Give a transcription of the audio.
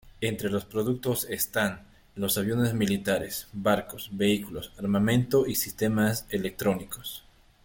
Entre los productos están los aviones militares, barcos, vehículos, armamento y sistemas electrónicos.